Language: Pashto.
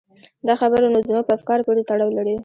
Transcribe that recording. دا خبره نو زموږ په افکارو پورې تړاو لري.